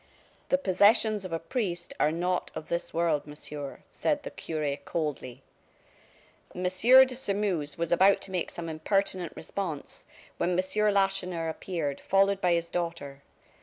"The possessions of a priest are not of this world, Monsieur," said the cure, coldly. M. de Sairmeuse was about to make some impertinent response, when M. Lacheneur appeared, followed by his daughter.